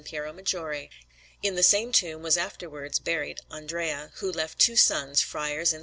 Piero Maggiore, and in the same tomb there was afterwards buried Andrea, who left two sons, friars in S.